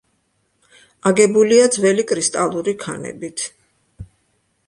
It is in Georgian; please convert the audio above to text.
აგებულია ძველი კრისტალური ქანებით.